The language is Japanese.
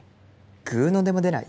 ぐうの音も出ない？